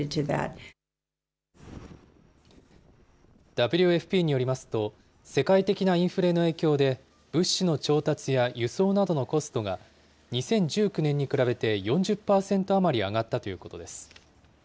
ＷＦＰによりますと、世界的なインフレの影響で、物資の調達や輸送などのコストが、２０１９年に比べて４０％余り上がったということです。